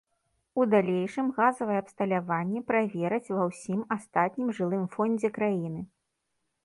У далейшым газавае абсталявання правераць ва ўсім астатніх жылым фондзе краіны.